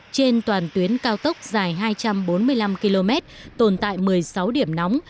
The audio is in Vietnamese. trên toàn tuyến cao tốc dài hai trăm bốn mươi năm km tồn tại một mươi sáu điểm nóng